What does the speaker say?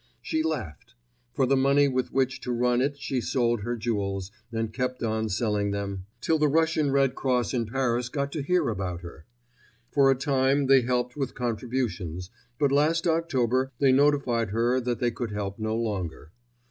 She laughed. For the money with which to run it she sold her jewels and kept on selling them, till the Russian Red Cross in Paris got to hear about her. For a time they helped with contributions, but last October they notified her that they could help no longer.